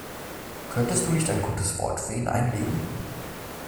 Könntest du nicht ein gutes Wort für ihn einlegen?